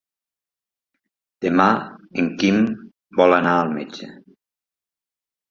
Demà en Quim vol anar al metge.